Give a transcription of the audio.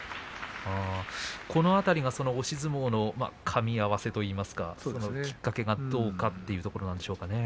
この辺り、押し相撲のかみ合わせといいますかきっかけがどうかというところなんでしょうか。